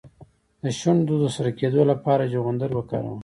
د شونډو د سره کیدو لپاره چغندر وکاروئ